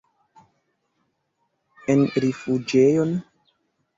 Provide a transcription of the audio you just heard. En rifuĝejon?